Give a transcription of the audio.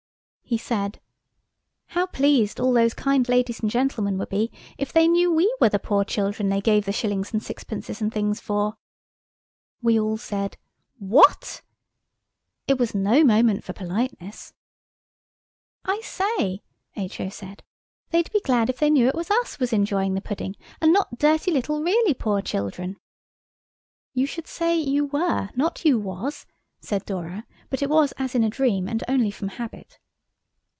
He said: "How pleased all those kind ladies and gentlemen would be if they knew we were the poor children they gave the shillings and sixpences and things for!" We all said, "What?" It was no moment for politeness. "I say," H.O. said, "they'd be glad if they knew it was us was enjoying the pudding, and not dirty little, really poor children." "You should say 'you were,' not 'you was,'" said Dora, but it was as in a dream and only from habit.